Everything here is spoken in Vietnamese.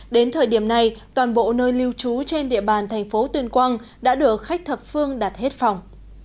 đến thời điểm này toàn bộ nơi lưu trú trên địa bàn thành phố tuyên quang đã được khách thập phương đặt hết phòng